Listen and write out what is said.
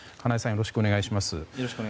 よろしくお願いします。